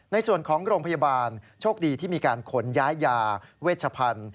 ในส่วนของโรงพยาบาลโชคดีที่มีการขนย้ายยาเวชพันธุ์